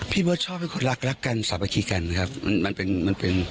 พี่เบิร์ตชอบให้คนรักรักกันสามัคคีกันนะครับมันมันเป็นมันเป็น